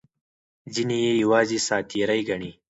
ځینې یې یوازې ساعت تېرۍ ګڼي.